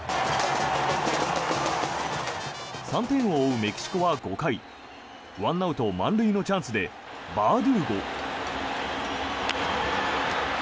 ３点を追うメキシコは５回１アウト満塁のチャンスでバードゥーゴ。